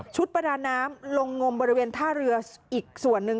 ประดาน้ำลงงมบริเวณท่าเรืออีกส่วนหนึ่ง